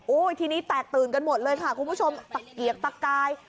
ทีนี้แตกตื่นกันหมดเลยค่ะคุณผู้ชมตะเกียกตะกาย